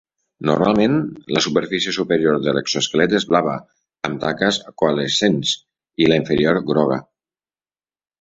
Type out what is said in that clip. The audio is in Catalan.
Normalment, la superfície superior de l'exoesquelet és blava, amb taques coalescents, i la inferior, groga.